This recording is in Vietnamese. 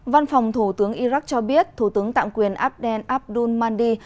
văn phòng thủ tướng iraq cho biết thủ tướng tạm quyền abdel abdul mahdi